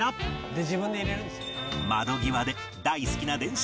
「自分で入れるんですよね」